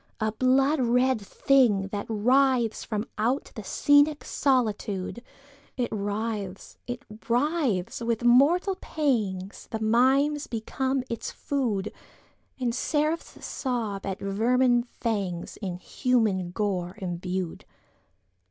A blood red thing that writhes from outThe scenic solitude! It writhes!—it writhes!—with mortal pangsThe mimes become its food, And seraphs sob at vermin fangsIn human gore imbued.